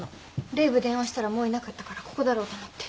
ＲＥＶＥ電話したらもういなかったからここだろうと思って。